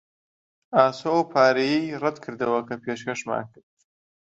ئاسۆ ئەو پارەیەی ڕەت کردەوە کە پێشکەشمان کرد.